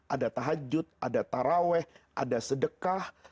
ada tahajud ada taraweh ada sedekah